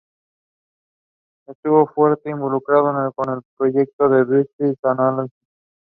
It consists of the entirety of the United Counties of Leeds and Grenville.